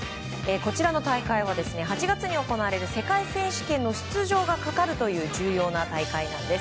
こちらの大会は８月に行われる世界選手権の出場がかかるという重要な大会なんです。